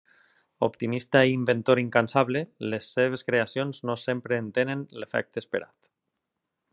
Optimista i inventor incansable, les seves creacions no sempre en tenen l'efecte esperat.